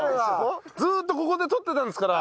ずーっとここで撮ってたんですから。